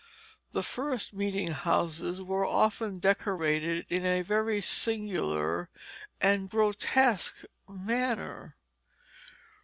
The first meeting houses were often decorated in a very singular and grotesque manner.